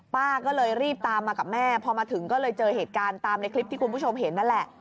ป้าก็เลยรีบตามมากับแม่พอมาถึงก็เลยเจอเหตุการณ์ตามในคลิปที่คุณผู้ชมเห็นนั่นแหละ